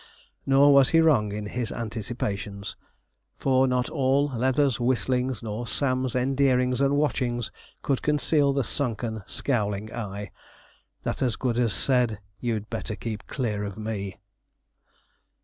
Nor was he wrong in his anticipations, for not all Leather's whistlings, or Sam's endearings and watchings, could conceal the sunken, scowling eye, that as good as said, 'you'd better keep clear of me.'